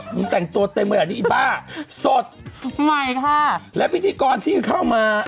มึงแต่งตัวเต็มขนาดนี้อีบ้าสดใหม่ค่ะและพิธีกรที่เข้ามา